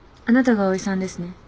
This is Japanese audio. あなたがＡＯＩさんですね？